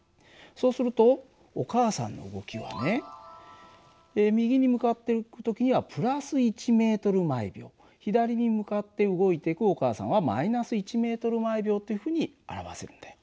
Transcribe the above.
そうするとお母さんの動きはね右に向かってる時には＋１ｍ／ｓ左に向かって動いていくお母さんは−１ｍ／ｓっていうふうに表せるんだよ。